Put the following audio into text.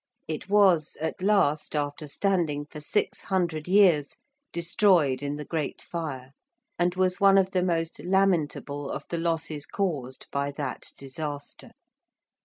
It was at last, after standing for six hundred years, destroyed in the Great Fire, and was one of the most lamentable of the losses caused by that disaster.